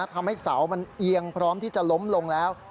ทำให้เสามันเอียงพร้อมที่จะล้มลงแล้ว